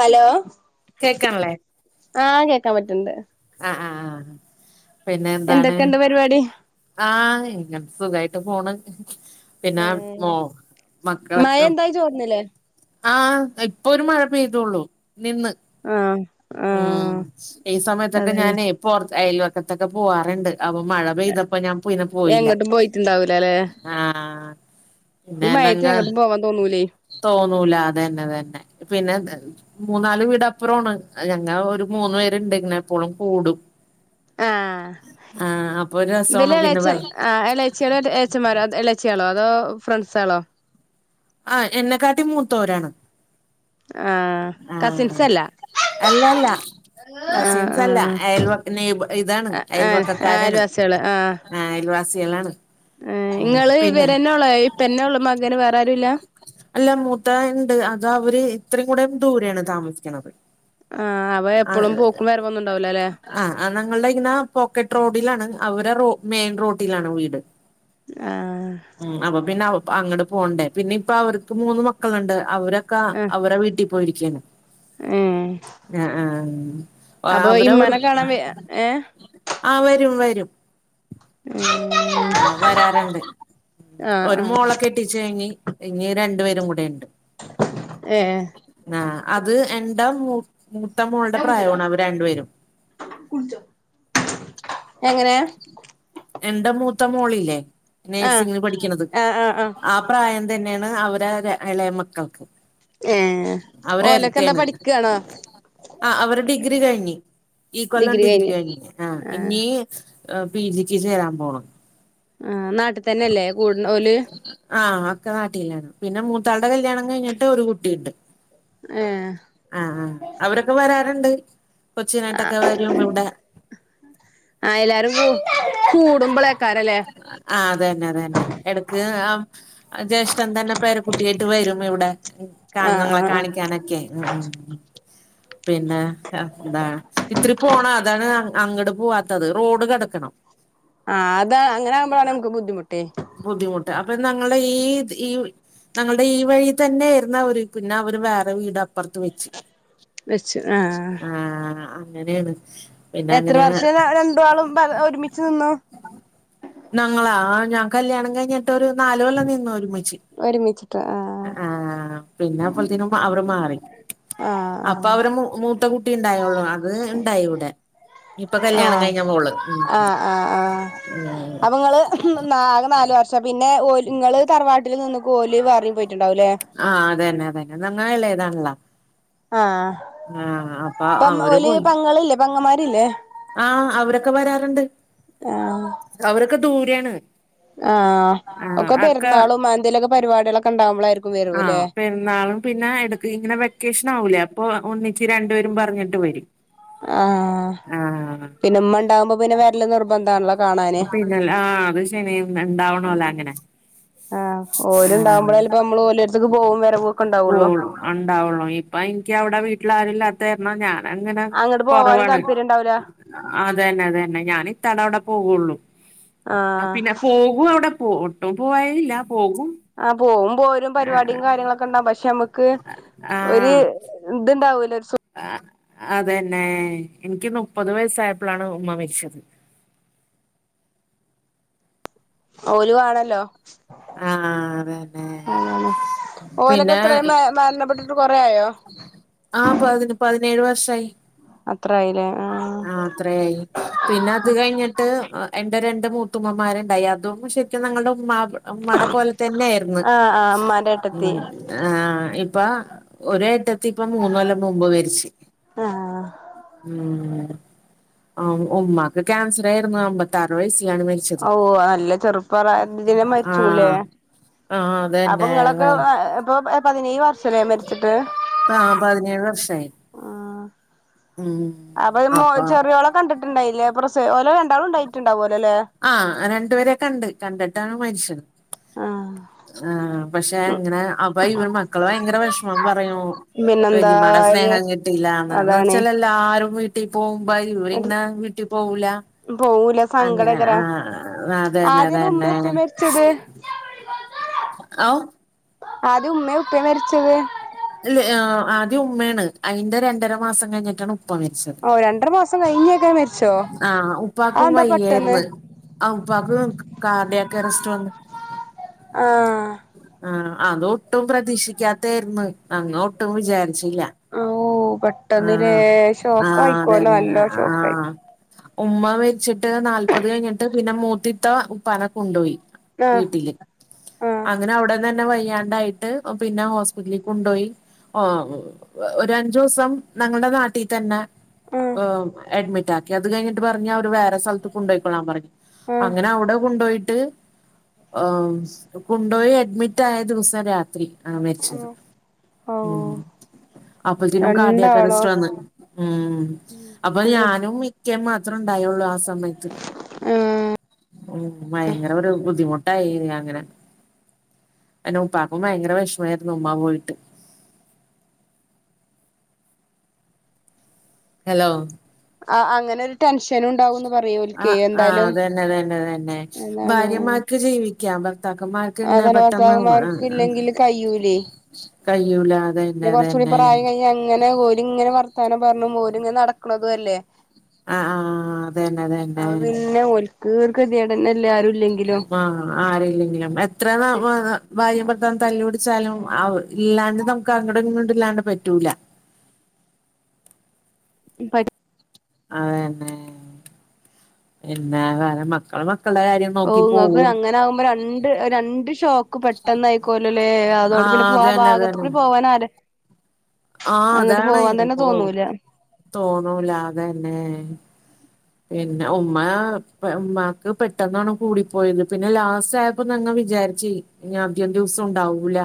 Hello കേക്ക്ണ്ല്ലേ ആഹ് കേക്കാൻ പറ്റ്ണ്ട് അഹ്‌ ആഹ് പിന്നെ എന്താണ് എന്തൊക്കെണ്ട് പരിപാടി ആഹ് ഇങ്ങനെ സുഖായിട്ട് പോണ് പിന്നെ മോ മക്കളൊക്കെ ഴ ചോറ്ന്ന്ല്ലേ ആഹ് ഇപ്പൊ ഒരു മഴ പെയ്തോള്ളൂ നിന്ന് ആ ഉം ഈ സമയത്തൊക്കെ ഞാനേ പൊറ അയൽവക്കത്തൊക്കെ പോവാറുണ്ട് അപ്പൊ മഴ പെയ്തപ്പോ ഞാൻ പിന്നെ പോയില്ല എങ്ങട്ടും പോയിട്ടുണ്ടാവൂലല്ലേ ആഹ് ഈ മഴയത്ത് പിന്നെന്നങ്ങ് എങ്ങട്ടും പോവാൻ തോന്നൂലേ തോന്നൂല അതന്നെ അതന്നെ പിന്നെ മൂന്നാല് വീടപ്പുറാണ് അത് ഞങ്ങളൊരു മൂന്ന് പേര്ണ്ട് ഇങ്ങനെപ്പോളും കൂടും ആഹ് ആഹ് അപ്പൊ ഒരു ഇവല് രസമാണ് പിന്നെ എളേച്ചം വൈ ആഹ് എളേ ചെറിയെ ഏളച്ചമാരോ ഇളച്ചികളോ അതോ ഫ്രണ്ട്സ്കളോ ആഹ് എന്നെക്കാട്ടീ മൂത്തോരാണ് ആഹ് ആഹ് കസിൻസല്ലാ അല്ലല്ല കസിൻസല്ല ആഹ് അയൽവ നെയിബേ ഇതാണ് ആഹ് അയൽവക്കക്കാരാണ് അയൽവാസിയാള് ആ അയൽവാസികളാണ് എ ഇങ്ങള് പിന്നെ ഇവരന്നെ ഒള്ളോ ഇപ്പന്നെ ഒള്ളൂ മകന് വേറാരുല്ല അല്ല മൂത്ത ആള്ണ്ട് അത് അവര് ഇത്രേം കൂടെ ദൂരെയാണ് താമസിക്കണത് ആഹ് ആഹ് അവളെപ്പളും പോക്കും വരവൊന്നുണ്ടാവൂലല്ലെ ആഹ് ഞങ്ങൾടെ ഇങ്ങനെ പോക്കറ്റ് റോഡിലാണ് അവരെ റോ മെയിൻ റോട്ടിലാണ് വീട് ഏഹ് ഉം അപ്പൊ പിന്നെ അവ് അങ്ങട്ട് പോണ്ടേ പിന്നെ ഇപ്പ അവർക്ക് മൂന്ന് മക്കള്ണ്ട് അവരൊക്കെ ആഹ് അവരെ വീട്ടി പോയിരിക്കാണ് ഏഹ് ഏഹ് ആഹ് അപ്പൊ അവരവർ ഇമ്മാനെ കാണാൻ വ ഏഹ് ആഹ് വരും വരും ആഹ് വരാറ്ണ്ട് ആഹ് ഒരു ആഹ് മോളെ കെട്ടീച്ചയിഞ്ഞ് ഇഞ്ഞി രണ്ടു പേരും കൂടെയ്ണ്ട് ഏഹ് ആ അത് എണ്ട മൂ മൂത്ത മോളുടെ പ്രായാണ് ഇവര് രണ്ടുപേരും കുടിച്ചോ എങ്ങനെ എന്റെ മൂത്ത മോളില്ലേ ആഹ് നേഴ്സിങ്ന് പഠിക്ക്ണത് ആഹ് ആഹ് ആഹ് ആ പ്രായം തന്നെയാണ് അവരാകെ ഇളയ മക്കൾക്ക് ഏഹ് അവര് ഓലൊക്കെ എന്താ ഇരട്ടയാണ് പഠിക്കാണോ ആഹ് അവരു ഡിഗ്രി കഴിഞ്ഞീ. ഈ കൊല്ലം ഡിഗ്രി കഴിഞ്ഞ് ആഹ് ഇഞ്ഞീ പി ജിക്ക് ചേരാൻ പോണ് ആഹ് നാട്ട്തന്നെല്ലേ കൂട്ണ ഓല് ആഹ് ഒക്കെ നാട്ടീലാണ് പിന്നെ മൂത്താളുടെ കല്യാണം കഴിഞ്ഞിട്ട് ഒരു കുട്ടിയ്ണ്ട് ഏഹ് ആഹ് ആഹ് അവരൊക്കെ വരാറ്ണ്ട് കൊച്ചിനായിട്ടൊക്കെ ആഹ് വരും ഇവടെ ആഹ് എല്ലാരും കൂടുമ്പളേക്കാരല്ലേ ആ അതന്നെ അതന്നെ എടക്ക് ആ ആ ജസ് ചന്ദന പേര കുട്ടിയായിട്ട് വരും ഇവിടെ ആഹ് കാർന്നോരെ ആഹ് ആഹ് കാണിക്കാനൊക്കെ ഉം ഉം ഉം പിന്നെ എന്താ ഇത്തിരി പോണം അതാണ് അങ്ങട്ട് പോവാ ട്ടത് റോഡ് കടക്കണം ആഹ് അതാ അങ്ങനാകുമ്പളാണേ നമുക്ക് ബുദ്ധിമുട്ടേ ബുദ്ധിമുട്ട് അപ്പൊ ഞങ്ങളെ ഈ ഈ ഞങ്ങള്ടെ ഈ വഴി തന്നെയിര്ന്ന് അവര് പിന്നെ അവര് വേറെ വീട് അപ്പറത്ത് വെച്ച് വെച്ച് ആഹ് ആ അങ്ങനേണ് എത്ര വർഷം പ രണ്ടാളും ഒരുമിച്ച് നിന്നു ഞങ്ങളാ ആഹ് ഞാൻ കല്യാണം കഴിഞ്ഞിട്ട് ഒരു നാലു കൊല്ലം നിന്നു ഒരുമിച്ച് ഒരുമിച്ചിട്ട് ആഹ് ആഹ് പിന്നെ അപ്പളത്തേക്കും അവര് മാറി അപ്പൊ ആഹ് അവരെ മൂ മൂത്ത കുട്ടിണ്ടായൊള്ളൂ അത് ണ്ടായി ഇവിടെ ഇപ്പൊ കല്യാണം ആഹ് കഴിഞ്ഞ മോള് ഉം ആഹ് ആഹ് ആഹ് ഉം അപ്പ ങ്ങള് ന്നാ ആകെ നാല് വർഷം ച്ച പിന്നെ ഓൽ ഇങ്ങള് തറവാട്ടില് നിന്നുക്കു ഓല് വേറെ പോയിട്ടുണ്ടാവുലെ ആഹ് അതന്നെ അതന്നെ നങ്ങള് എളെതാണല്ല ആഹ് അപ്പൊ പ്പം അവര് ഓല് പോയി പെങ്ങളില്ലേ പെങ്ങമാരില്ലേ ആഹ് അവരൊക്കെ വരാറ്ണ്ട് ആഹ് അവരൊക്കെ ദൂരേയാണ് ആഹ് ഒക്കെ പെരുന്നാളും മൻന്തേലൊക്കെ പരിപാടികളൊക്കെ ഇണ്ടാവുമ്പോളാ ആഹ് പെരുന്നാളും പിന്നെ എടു ഇങ്ങനെ വെക്കേഷനാവൂലേ അപ്പൊ ഒന്നിച്ച് രണ്ടുപേരും പറഞ്ഞിട്ട് വരും ആഹ് ആഹ് പിന്നെ മ്മ ഇണ്ടാവുമ്പോ പിന്നെ വരല്ല് നിർബന്ധാണല്ലോ കാണാന് പിന്നല്ല ആഹ് അത് ശനി [unintelligible] ആഹ് ആഹ് ഓലിണ്ടകുമ്പോഴല്ലേ പ്പൊ മ്മള് ഓലെര്ത്ത്ക്ക് പോവും വരവ് ഒക്കെ ഇണ്ടാവൊള്ളൂ ഒണ്ടാവുള്ളൂ ഇപ്പൊ എനിക്ക് അവിടെ വീട്ടില് ആരും ഇല്ലാത്ത കാരണം ഞാനങ്ങനെ അങ്ങട്ട് പോവാനും കൊറവാണ് താല്പര്യം ഉണ്ടാവൂല അതന്നെ അതന്നെ ഞാനിത്താടെ അവിടെ പോവുള്ളൂ ആഹ് പിന്നെ പോകും അവിടെ പോ ഒട്ടും പോവായ്കയില്ല പോകും ആഹ് പോവും പോരും പരിപാടിം കാര്യങ്ങളൊക്കെണ്ടാകും പക്ഷെമ്മക്ക് ഒര് ആഹ് ഇത്ണ്ടാവൂല ഒരു സു ആഹ് അതന്നെ എനിക്ക് മുപ്പത് വയസ്സായപ്പോളാണ് ഉമ്മ മരിച്ചത് ഓല് വേണല്ലോ ആ ആ അതന്നെ അങ്ങനെ ഓലൊക്കെ പിന്നെ എത്രേ മ മരണപ്പെട്ടിട്ട് കൊറേ ആയോ ആഹ് പതിന് പതിനേഴ് വർഷായി അത്രായില്ലേ ആഹ് ത്രേയി പിന്നെ അത് കഴിഞ്ഞിട്ട് എന്റെ രണ്ട് മൂത്തുമ്മമാരുണ്ടായി അതും ശരിക്കും ഞങ്ങളുടെ ഉമ്മാ ബ് ഉമ്മാടെ പോലെ തന്നെയിര്ന്ന് ആഹ് ആഹ് ഇമ്മാന്റെ ഏട്ടത്തി ഉം ആഹ് ഇപ്പൊ ഒരു എട്ടത്തിയിപ്പം മൂന്നു കൊല്ലം മുമ്പ് മരിച്ച് ആഹ് [unintelligible] ആഹ് ഉമ്മാക്ക് ക്യാൻസറായിരുന്നു അമ്പത്താറ് വയസ്സിലാണ് മരി ഓ നല്ല ചെറുപ്രായത്തിലേ മരിച്ചുല്ലേ ആഹ് ആഹ് അപ്പൊ അതന്നെ ഇങ്ങളൊക്കെ ഇപ്പൊ പതിനേഴ് വർഷല്ലേ മരിച്ചിട്ട് ആഹ് പതിനേഴ് വർഷായി ആഹ് ഉം അപ്പൊ മോ ചെറിയോള കണ്ടിട്ടുണ്ടായില്ലേ പ്രസവ ഓലോ രണ്ടാളും ഇണ്ടായി ആഹ് രണ്ടു പേരെ കണ്ട് കണ്ടിട്ടാണ് മരിച്ചത് ആഹ് ആഹ് പക്ഷെ എങ്ങനെ അപ്പ ഇവൻ മക്കള് ഭയങ്കര വെഷമം പറയണു പിന്നെന്താ വല്യമ്മാടെ സ്നേഹം കിട്ടില്ലാന്ന് എന്ന് അതാണ് വെച്ചാലേൽ എല്ലാരും വീട്ടീ പോവുമ്പം ഇവരിങ്ങനെ വീട്ടി പോവൂല പോവൂല അങ്ങനെ സങ്കടകരാ ആഹ് അതന്നെ ആദ്യം ഇത് ഉമ്മീം അതന്നെ ഉപ്പിം മരിച്ചത് ഔ ആദ്യം ഉമ്മയോ ഉപ്പയോ മരിച്ചത് ൽ യ ആദ്യം ഉമ്മയാണ് അതിന്റെ രണ്ടര മാസം കഴിഞ്ഞിട്ടാണ് ഉപ്പ മരിച്ചത് ഓ രണ്ടര മാസം കഴിഞ്ഞക്കെ മരി ആഹ് ഉപ്പാക്കും വയ്യായിരുന്നു. ആഹ് ഉപ്പാക്ക് കാർടിയാക്കറസ്റ്റ് വന്ന് ആഹ് ആഹ് അതൊട്ടും പ്രതീഷിക്കാത്തയാര്ന്ന് അങ്ങ ഒട്ടും വിചാരിച്ചില്ല ഓ ആ പെട്ടെന്ന്ല്ലേ ആ ഷോക്ക് ആയിക്കോല്ലോ അതന്നെ നല്ലോ ഷോക്ക് ആഹ് ആയിക്കോ ഉമ്മ മരിച്ചിട്ട് നാല്പത് കഴിഞ്ഞിട്ട് പിന്നെ മൂത്തിത്ത ഉപ്പാനെ കൊണ്ടുപോയി ആഹ് വീട്ടില് ആഹ് അങ്ങനെ അവിടന്നന്നെ വയ്യാണ്ടായിട്ട് പിന്നെ ഹോസ്പിറ്റലിൽ കൊണ്ടുപോയി ഓ ഒരു അഞ്ചു ദിവസം ഞങ്ങളുടെ നാട്ടിൽ തന്നെ ആഹ് ഉം അഡ്മിറ്റാക്കി അത് കഴിഞ്ഞിട്ട് പറഞ്ഞ് അവര് വേറെ സൽത്ത് കൊണ്ടോയിക്കൊളാൻ പറഞ്ഞ് ആഹ് അങ്ങനെ അവ്ടെ കൊണ്ടോയിട്ട് കൊണ്ടുപോയി അഡ്മിറ്റ് ആയ ദിവസം രാത്രി ആഹ് മരിച്ചത് ഓ ഉും അപ്പളത്തിനും രണ്ടാളോ കാർടിയാക്കാറസ്റ്ററ് വന്ന് ഊം അപ്പൊ ഞാനും ഇ ക്കെമാത്രോ ഇണ്ടായൊള്ളൂ ആ സമയത്ത് ഉം ഭയങ്കര ഒരു ബുദ്ധിമു ട്ടയ്നി അങ്ങനെ ഇന്റെ ഉപ്പാക്കും ഭയങ്കര വിഷമായിരുന്നു ഉമ്മാ പോയിട്ട്. ഹലോ അങ്ങനെ ഒരു ടെൻഷനും ഉണ്ടാവുംന്ന് പറയും ഓൽക്ക് ആഹ് ആഹ് എന്തായാലും അതന്നതന്നതന്നെ എന്താണ് ഭാര്യമാര്ക്ക് ജീവിക്കാം ഭ ത്താക്കന്മാർക്ക് ഇങ്ങനെ അതന്നെ പെട്ടെന്ന് ങ്ങ അ ഭർത്താക്കന്മാർക്ക് അ ഇല്ലെങ്കില് കയ്യൂലേ കഴിയൂല അതന്നെ പിന്നെ കുറച്ചുകൂടി അതന്നെ പ്രായം കഴിഞ്ഞ് അങ്ങനെ ഓരി ഇങ്ങനെ വർത്തനം പറഞ്ഞ് ഓര് ഇങ്ങനെ നടക്കണതും അല്ലേ അ ആഹ് ആഹ് അതന്നെ അതന്നെ [inaudible] ക് കെതെട് എല്ലരും ആഹ് ആരില്ലെങ്കിലും എത്ര ന മ്മ ന ഭാര്യേം ഭർത്താവും തല്ല് പിടിച്ചാലും അവ ഇല്ലാണ്ട് നമ അങ്കടെ ഇങ്ങടെ ഇല്ലാണ്ട് പറ്റൂല ഇപ്പ അതന്നെ പിന്നെ വേറെ മക്കള് മക്കൾട കാര്യം ഓ നോക്കി നിങ്ങൾക്ക് പോവും അങ്ങനെ ആകുമ്പോ രണ്ട് രണ്ട് ഷോക്ക് പെട്ടെന്ന് ആയിക്കോല്ലോല്ലേ അതോണ്ട് പിന്നെ ഇപ്പോ ആഹ് അതന്നെ ഭാഗ ഇത്കൂടി അതന്നെ പോവാനാര് അങ്ങോട്ട് പോവാൻ തന്നെ തോന്നൂല തോന്നൂല്ലാ അതന്നെ പിന്നെ ഉമ്മ ഉമ്മാക്ക് പെട്ടെന്നാണ് കൂടിപ്പോയത് പിന്നെ ലാസ്റ്റ് അപ്പ ഞങ്ങ വിചാരിച്ച് ഇനി അധികം ദിവസം ഉണ്ടാവൂല്ല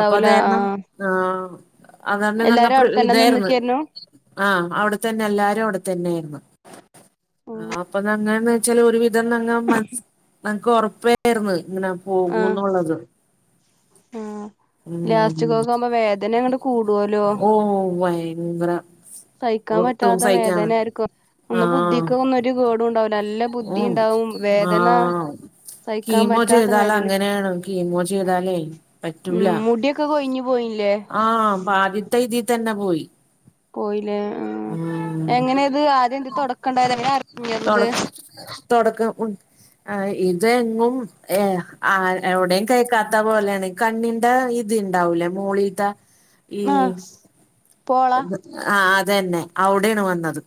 അപ്പൊ അത് കാരണം ആഹ് ആഹ് അത്കാരണം ഞങ്ങ എല്ലാരും പ്ര അവിടെത്തന്നെ ഇതായിന്ന് നിന്നിക്കായിരുന്നു ആ അവിടെത്തന്നെ എല്ലാരും അവിടെ തന്നേയിരുന്നു ആഹ് അപ്പൊനന്നെന്ന് വെച്ചാല് ഒരുവിധം ന്നങ്ങമൻസ് ഇൻക്ക് ഒറപ്പേര്ന്നു ഇങ്ങനെ പോകൂ ആഹ് ന്നൊള്ളത് ആഹ് ലാസ്റ്റ്ക്ക് ഉം ഒക്കെ ആവുമ്പോ വേദന അങ്ങോട്ട് കൂടുല്ലോ ഓ ഭയങ്കര സഹിക്കാൻ ഒട്ടും പറ്റാത്ത സഹിക്കാൻ വേദന ആയിരിക്കും അന്ന് ആ ബുദ്ധിക്ക വന്ന് ഒരു കേടും ഉണ്ടാവില്ല നല്ല ബുദ്ധി ഉം ഇണ്ടാവും ആഹ് കീമോ പറ്റാത്ത വേദന ചെയ്താലങ്ങനേണ് കീമോ ചെയ്താലേ ഉം മുടിയൊക്കെ കൊയിഞ്ഞു പോയില്ലേ ആ ആദ്യത്തെ ഇതിൽ തന്നെ പോയി പോയില്ലേ ആ ഉം എങ്ങനെയത് ആദ്യം എന്ത് തുടക്കണ്ടായത് എങ്ങനെ അറിഞ്ഞത് ഇത് തൊടക്കം ഉം ആ ഇതെങ്ങും എ ആ എവിടെയും കേക്കാത്ത പോലേണ് കണ്ണിന്റെ ഇത് ഇണ്ടാവൂല്ലേ മോളിൽ ത്തെ ഈ ആഹ് പോള ആ അതെന്നെ അവുടെണ് വന്നത്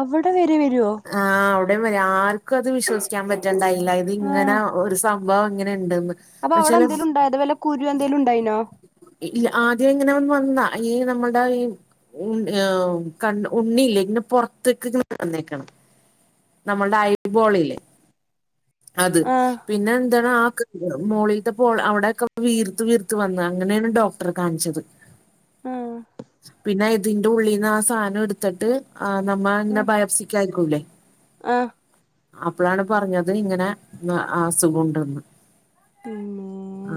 അവിടെ വരെ വരോ ആഹ് അവിടെ വ ആർക്കും അത് വിശ്വസിക്കാൻ പറ്റൺണ്ടായില്ല ഇത് ഇങ്ങനെ ഒരു സംഭവം ഇങ്ങനെ ഇണ്ട്ന്ന് അപ്പ എന്നുവെച്ചാല് അവിടെന്തേലും ഉണ്ടായത് വല്ല കുരു എന്തേലും ഉണ്ടായിനോ ഇല്ല ആദ്യം എങ്ങനെ ഒന്ന് വന്നാ ഈ നമ്മുടെ ഈ ഉം എഹ് കണ് ഉണ്ണിയില്ലേ ഇങ്ങനെ പൊറത്തേക്ക് ഇങ്ങന വന്നേക്കണ് നമ്മൾട ഐബോളില്ലേ അത് ആഹ് പിന്നെ എന്താണ് ആ ക മോളിൽത്ത പോല അവിടേക്ക വീർത്ത് വീർത്ത് വന്ന് അങ്ങനേണ് ഡോക്ടറെ കാണിച്ചത് ആഹ് പിന്നെ ഇതിന്റെ ഉള്ളീന്ന് ആ സാധനം എടുത്തിട്ട് ആ നമ്മ അങ്ങനെ ആഹ് ബയോപ്സിക് അയക്കൂല്ലേ ആഹ് അപ്പഴാണ് പറഞ്ഞത് ഇങ്ങനെ അ അസുഖമുണ്ടെന്ന് ഉം ആ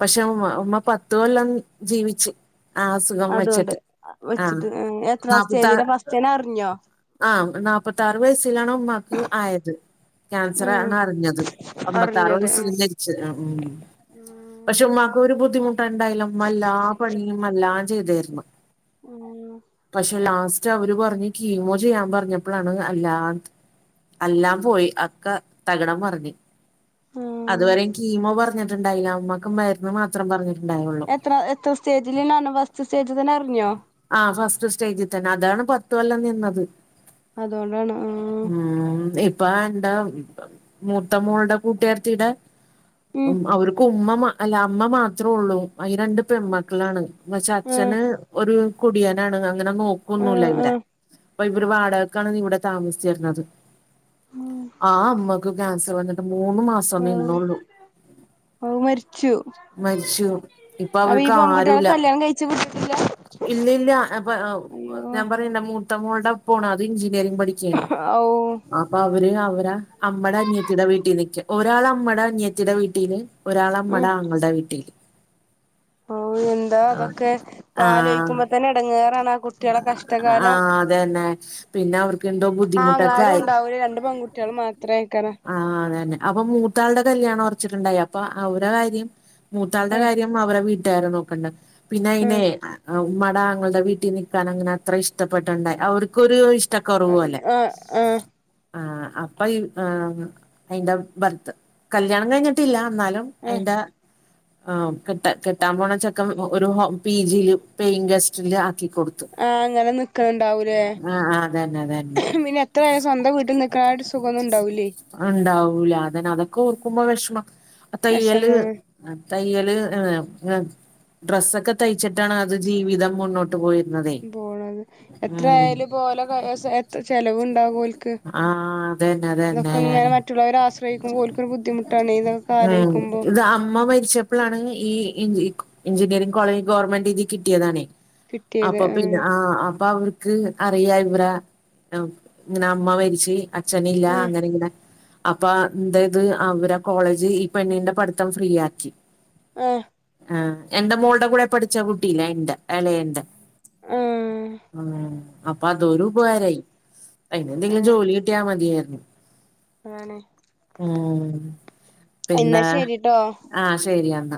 പക്ഷെ ഉമ്മ ഉമ്മ പത്തു കൊല്ലം ജീവിച്ച് ആ അസുഖം അതുകൊണ്ട് വെച്ചിട്ട് ആഹ് വെച്ചിട്ട് എത്രാം നാപ്പത്ത സ്റ്റേജിലാ ഫസ്റ്റ്ന്നെ അറിഞ്ഞോ ആഹ് നാപ്പത്താറ് വയസ്സിലാണ് ഉമ്മാക്ക് ആയത് ഉം ക്യാൻസറാണാ അറിഞ്ഞത് അമ്പത്താറു അറിഞ്ഞത് ആ വയസ്സില് മരിച്ച് ആ ഊം പക്ഷെ ഉം ഉമ്മാക്ക് ഒരു ബുദ്ധിമുട്ട ഇണ്ടല്ല ഉമ്മ എല്ലാപണിയും എല്ലാം ചെയ്തരുന്നു ഉം പക്ഷെ ലാസ്റ്റ് അവര് പറഞ്ഞ് കീമോ ചെയ്യാൻ പറഞ്ഞപ്പളാണ് അല്ലാ എല്ലാം പോയി എക്ക തകിടം മറിഞ്ഞ് ഉം അതുവരേം കീമോ പറ പറഞ്ഞിട്ടുണ്ടായില്ല ഉമ്മാക്ക് മരുന്നു മാത്രം പറഞ്ഞിട്ടുണ്ടായോള്ളൂ എത്ര എത്ര സ്റ്റേജിൽആണ് ഫസ്റ്റ് സ്റ്റേജിൽ തന്നെ അറിഞ്ഞോ ആഹ് ഫസ്റ്റ് സ്റ്റേജിൽ തന്നെ അതാണ് പത്ത് കൊല്ലം നിന്നത് അതുകൊണ്ടാണ് ആ ഉം ഇപ്പ എന്റ മൂത്ത മോളുടെ കൂട്ടുകാരത്തീട ഉം അവർക്ക് ഉമ്മ മാ അല്ല അമ്മ മാത്രോള്ളൂ ആയ് രണ്ട് പെൺമക്കളാണ് പക്ഷെ ആ അച്ഛന് ഒരു കുടിയനാണ് അങ്ങനെ നോ ആ ഒന്നുല്ല ആ ഇവരെ അപ്പൊ ഇവര് വാടകക്കാണ് ഇവര് താമസിച്ചിരുന്നത് ആ അമ്മക്ക് ക്യാൻസർ വന്നിട്ട് മൂന്ന് മാസോ നിന്നൊള്ളു ഓ മരിച്ചു ഇപ്പൊ അപ്പൊ ഈ അവർക്ക് പെങ്കുട്ടേള ആരുല്ല കല്യാണം കഴി ചമട്ടില്ല ഇല്ല ഇല്ല അപ്പൊ ഞാൻ പറയാണ് എന്റെ മൂത്തമ്മോളുടെ ഒപ്പണ് അത് എഞ്ചിനീയറിംഗ് പഠിക്ക ഔ അപ്പൊ അവര് അവരെ അമ്മടെ അനിയത്തീടെ വീട്ടിൽ നിക്കാ ഒരാൾ അമ്മടെ അനിയത്തിയുടെ വീട്ടീല് ഒരാൾ ഉം അമ്മടെ ആങ്ങളുടെ വീട്ടീല് ഓ എന്താ അതൊക്കെ ആഹ് ആലോയിക്കുമ്പത്തന്നെ ഇടങ്ങേറാ ണാകു കുട്ടികൾട കഷ്ടകാലം ആഹ് അതന്നെ പിന്നെ അവർക്ക് എന്തോ ആ ബുദ്ധിമുട്ടൊക്കെ അങ്ങാരും ആയി ഉണ്ടാവൂല്ല രണ്ട് പെങ്കുട്ടികൾ മാ ത്രേക്കന ആഹ് അതന്നെ അപ്പൊ മൂത്ത ആളുടെ കല്യാണം ഒറച്ചിട്ടുണ്ടായി അപ്പ അവര കാര്യം മൂത്താ ആ ആളുടെകാര്യം അവരുടെ വീട്ടാരെ നോക്കണ്ടെ പിന്നെ ആ അയിന് ഉമ്മാടെ ആങ്ങളുടെ വീട്ടിൽ കേക്കാൻ അങ്ങനെ അത്ര ഇഷ്ടപ്പെട്ടുണ്ടായി അവർക്കൊരു ഇഷ്ടക്കുറവു ആഹ് പോലെ ആഹ് ആഹ് ആഹ് അപ്പൊ ഈ അയിന്റെ ബർത്ത് കല്യാണം കഴിഞ്ഞിട്ടില്ല എന്നാലും അയിന്റെ ആ കെട്ടാ കെട്ടാൻ പോണ ചെക്കൻ ഒ ഒരു വ പി ജിയില് പേയിങ് ഗെസ്റ്റില് ആക്കി കൊടു ആഹ് അങ്ങനെ നിക്കുന്നുണ്ടാവൂലേ ആഹ് അതന്നെ അതന്നെ പിന്നെ എത്രാവയം സ്വന്തം വീട്ടിൽ നി കാട് സുഖമന്നുണ്ടാകൂലെ ഉണ്ടാവൂല അതനെ അതൊക്കെ ഓർക്കുമ്പോ വിഷമ തയ്യല് വെഷമാണ് ആ തയ്യല് ഏഹ് ഡ്രസ്സൊക്കെ തയ്ച്ചിട്ടാണ് അത് ജീവിതം മുന്നോട്ട് പോയത് പോണത് എത്ര ആയാലും പോലെ ചെലവ് ഉണ്ടാവും ഓൽക് ആഹ് അതന്നെ അതെ ഇതൊക്കെങ്ങനെ മറ്റുള്ളവരാ ആശ്രയിക്കുമ്പോ ഓല്ക്കൊരു ബുദ്ധിമുട്ടാണ് ഈന്ന ഉം ഇത് അമ്മ മരിച്ച ഇപ്പോഴാണ് ഈ എഞ്ചിനീയറിംഗ് കോളേജ് ഗോർമെന്റ് ഇതി കിട്ടിയതാണേ അപ്പൊ പിന്നെ ആഹ് അപ്പൊ അവര്ക്ക് അറിയ ഇവരെ ഇങ്ങനെ അമ്മ മരിച്ച് അഛനില്ലാ ആഹ് അങ്ങനെ ഇങ്ങനെ- അപ്പൊ എന്തെയ്ത് അവരേ കോളേജ് ഈ പെണ്ണിന്റെ പഠ്ത്തം ഫ്രീയാക്കി. ആഹാ ആഹ് എന്റെ മോൾടെ കൂടെ പഠിച്ച കുട്ടീല്ലേ? അയിൻ്റെ എളേന്റെ, ആഹ് ആഹ് അപ്പൊ അതൊരു ഉപകാരമായി. അയിനെന്തെങ്കിലും ആഹ് ജോലി കിട്ടിയാ മതിയാരുന്നു. അതാണ് ഉം എന്നാ പിന്നെ ശരിട്ടോ ആ ശരിയെന്ന.